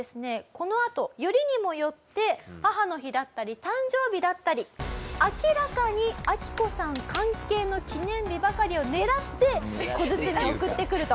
このあとよりにもよって母の日だったり誕生日だったり明らかにアキコさん関係の記念日ばかりを狙って小包を送ってくると。